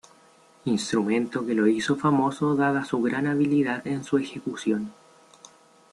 Instrumento que lo hizo famoso dada su gran habilidad en su ejecución.